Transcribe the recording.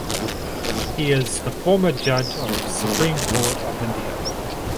He is former Judge of Supreme Court of India.